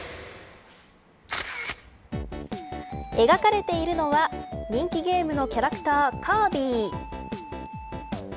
描かれているのは人気ゲームのキャラクターカービィ。